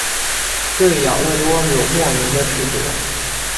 对养乐多有莫名的执着。